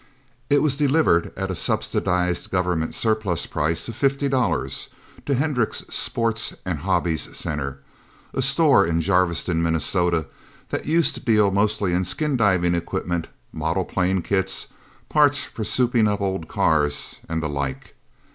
It was delivered at a subsidized government surplus price of fifty dollars to Hendricks' Sports and Hobbies Center, a store in Jarviston, Minnesota, that used to deal mostly in skin diving equipment, model plane kits, parts for souping up old cars, and the like.